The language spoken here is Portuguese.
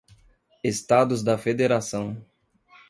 Estados da Federação